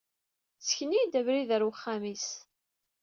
Sken-iyi-d abrid ɣer uxxam-is.